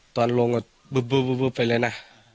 ตอนลงเห็นแบบเบึ๊บไปเลยน่ะ